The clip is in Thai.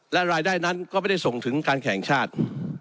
และรายได้นั้นก็ไม่ได้ส่งถึงการแข่งชาติ